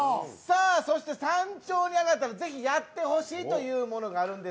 そして山頂に上がったらぜひやってほしいというものがあるんです。